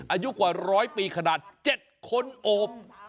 อายุกว่า๑๐๐ปีขนาด๗คนโอบ